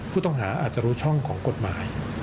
ผู้ต้องหาอาจจะรู้ช่องของกฎหมาย